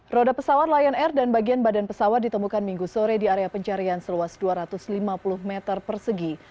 roda pesawat lion air dan bagian badan pesawat ditemukan minggu sore di area pencarian seluas dua ratus lima puluh meter persegi